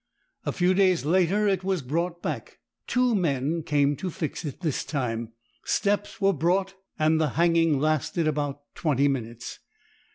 A few days later it was brought back. Two men came to fix it this time; steps were brought and the hanging lasted about twenty minutes.